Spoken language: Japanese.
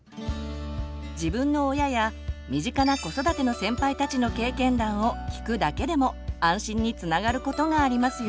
自分の親や身近な子育ての先輩たちの経験談を聞くだけでも安心につながることがありますよ。